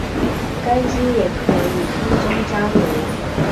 该机也可以空中加油。